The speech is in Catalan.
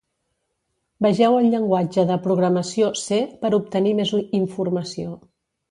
Vegeu el llenguatge de programació C per obtenir més informació.